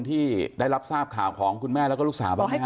ที่ได้รับทราบข่าวของคุณแม่และลูกสาวบอกให้